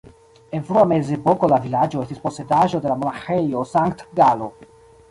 En frua mezepoko la vilaĝo estis posedaĵo de la Monaĥejo Sankt-Galo.